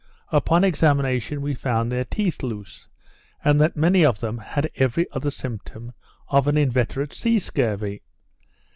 Upon examination, we found their teeth loose; and that many of them had every other symptom of an inveterate sea scurvy.